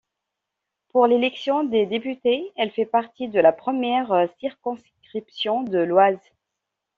Pour l'élection des députés, elle fait partie de la première circonscription de l'Oise.